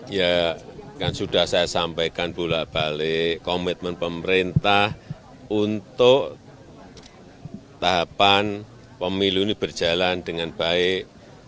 ya kan sudah saya sampaikan pulak balik komitmen pemerintah untuk tahapan pemilu ini berjalan dengan baik